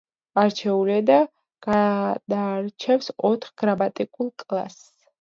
არჩიბული ენა განარჩევს ოთხ გრამატიკულ კლასს.